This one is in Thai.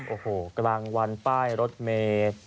โอ้โหกลางวันป้ายรถเมย์